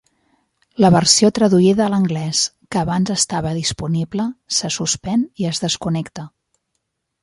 La versió traduïda a l'anglès, que abans estava disponible, se suspèn i es desconnecta.